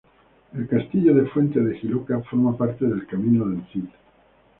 El castillo de fuentes de Jiloca forma parte del Camino del Cid.